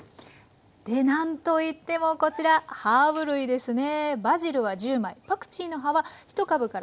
で何といってもこちらハーブ類ですね。